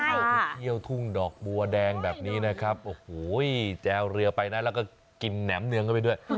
เอาไปเที่ยวทุ่งดอกบัวแดงแบบนี้นะครับโอ้โหแจวเรือไปนะแล้วก็กินแหนมเนืองเข้าไปด้วย